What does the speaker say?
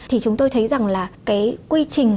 thì chúng tôi thấy rằng là cái quy trình